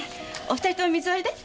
お２人とも水割りで？